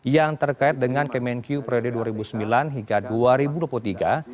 yang terkait dengan kemenkyu periode dua ribu sembilan hingga dua ribu dua puluh tiga